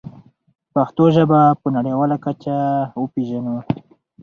پښتو ژبه په نړیواله کچه وپېژنو.